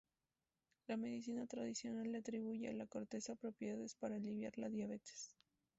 La medicina tradicional le atribuye a la corteza propiedades para aliviar la diabetes.